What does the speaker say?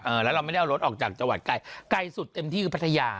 แล้วเราไม่ได้เอารถออกจากจังหวัดไกลไกลสุดเต็มที่คือพัทยา